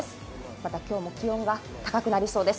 また今日も気温が高くなりそうです。